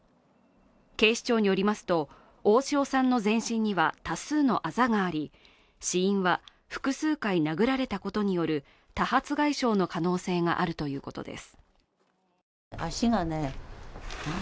警視庁によりますと、大塩さんの全身には多数のあざがあり死因は複数回殴られたことによる多発外傷の可能性があるということです。